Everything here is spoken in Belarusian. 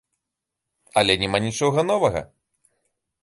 Але няма нічога новага.